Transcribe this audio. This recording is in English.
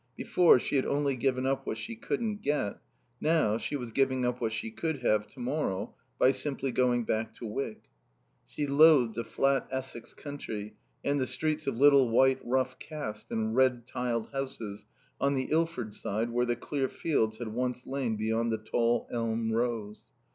Before, she had only given up what she couldn't get; now, she was giving up what she could have to morrow by simply going back to Wyck. She loathed the flat Essex country and the streets of little white rough cast and red tiled houses on the Ilford side where the clear fields had once lain beyond the tall elm rows.